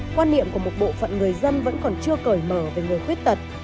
quan niệm của một bộ phận người dân vẫn còn chưa cởi mở về người khuyết tật